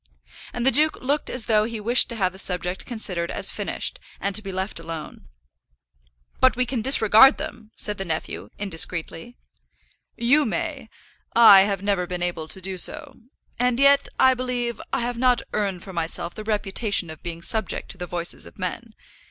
And the duke looked as though he wished to have the subject considered as finished, and to be left alone. "But we can disregard them," said the nephew, indiscreetly. "You may. I have never been able to do so. And yet, I believe, I have not earned for myself the reputation of being subject to the voices of men.